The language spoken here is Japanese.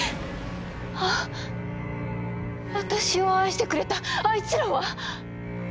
あ私を愛してくれたあいつらは？